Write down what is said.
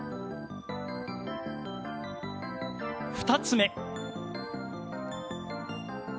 ２つ目。